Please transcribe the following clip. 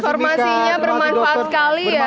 informasinya bermanfaat sekali ya